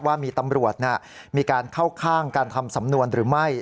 ว่ามีตำรวจมีการเข้าข้างการทำสำนวนหรือไม่